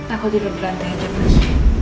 aku tidur di lantai aja mas